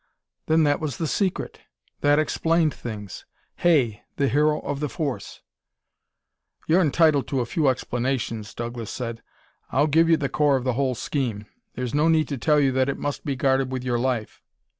Then that was the secret; that explained things! Hay, the hero of the force! "You're entitled to a few explanations," Douglas said. "I'll give you the core of the whole scheme. There's no need to tell you that it must be guarded with your life."